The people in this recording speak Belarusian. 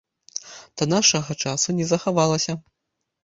Да нашага часу не захавалася.